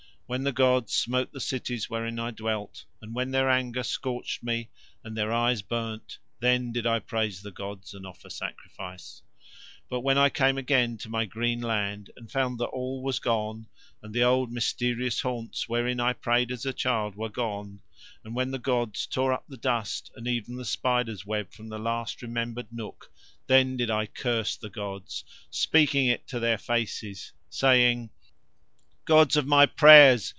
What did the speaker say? When the gods smote the cities wherein I dwelt, and when Their anger scorched me and Their eyes burned, then did I praise the gods and offer sacrifice. But when I came again to my green land and found that all was gone, and the old mysterious haunts wherein I prayed as a child were gone, and when the gods tore up the dust and even the spider's web from the last remembered nook, then did I curse the gods, speaking it to Their faces, saying:— "Gods of my prayers!